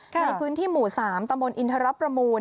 ในพื้นที่หมู่๓ตมอินทรประมูล